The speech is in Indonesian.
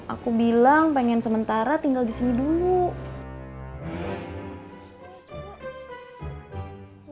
aku bilang pengen sementara tinggal disini dulu